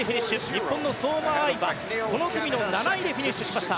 日本の相馬あいはこの組の７位でフィニッシュしました。